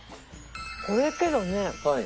これけどね